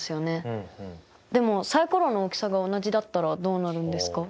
でもサイコロの大きさが同じだったらどうなるんですか？